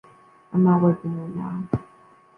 I’m not working right now.